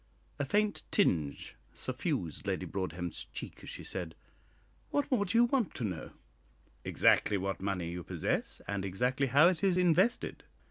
A faint tinge suffused Lady Broadhem's cheek as she said, "What more do you want to know?" "Exactly what money you possess, and exactly how it is invested."